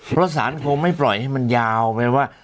เพราะสารคงไม่ปล่อยให้มันยาวแปลว่า